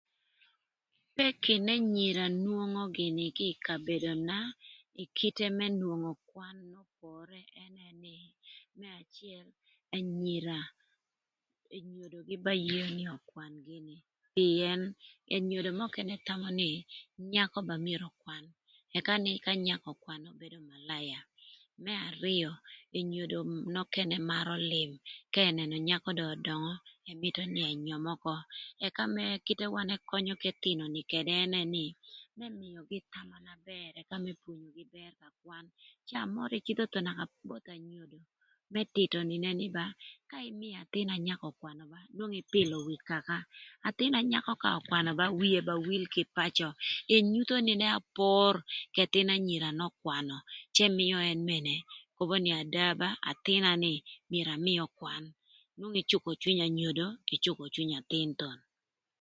Peki n'ënyira nwongo gïnï kï kabedona ï kite më nwongo kwan n'opore ënë nï më acël, ënyira enyodogï ba yeo nï ökwan gïnï pïën enyodo nökënë thamö nï nyakö ba myero ökwan ëka nï ka nyakö ökwanö bedo malaya. Më arïö enyodo nökënë marö lïm ka ënënö nyakö dong ödöngö ëmïtö nï ënyöm ökö ëka kite na wan ëkönyö k'ëthïnö nï ënë nï më mïögï thama na bër ëka më pwonyogï bër ka kwan ëka caa n'okene na nwongo ï cïdhö thon both anyodo më tïtö nïnë nï ba ka ï mïö athïnanyakö ökwanö pilo wïï kaka, athïn nyakö ka ökwnö ba wie ba wil kï pacö enyutho nïnë apor, ëthïn anyira n'ökwanö mïö ën mene kobo nï ada ba lok ka athïna nï myero amïï ökwan nwongo ï cukö cwiny anyodo kï cukö cwiny athïn thon.